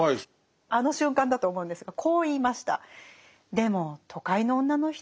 あの瞬間だと思うんですがこう言いました。